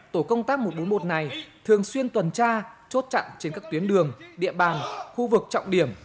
tổ công tác một trăm bốn mươi một này thường xuyên tuần tra chốt chặn trên các tuyến đường địa bàn khu vực trọng điểm